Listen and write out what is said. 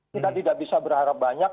kita tidak bisa berharap banyak